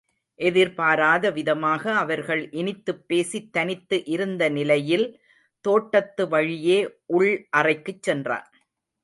எதிர்பாராதவிதமாக அவர்கள் இனித்துப் பேசித் தனித்து இருந்த நிலையில் தோட்டத்து வழியே உள் அறைக்குச் சென்றான்.